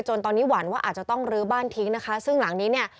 ตอนนี้หวั่นว่าอาจจะต้องลื้อบ้านทิ้งนะคะซึ่งหลังนี้เนี่ย